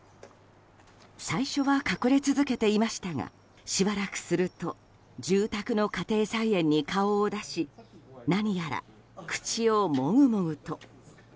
最初は隠れ続けていましたがしばらくすると住宅の家庭菜園に顔を出し何やら口をモグモグと。